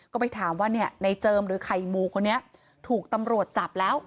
ก็ไปถามว่าเนี่ยในเจิมหรือไข่มูคนนี้ถูกตำรวจจับแล้ว